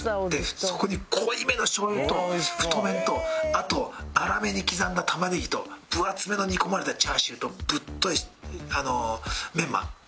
そこに濃いめの醤油と太麺とあと粗めに刻んだ玉ねぎと分厚めの煮込まれたチャーシューとぶっといメンマ。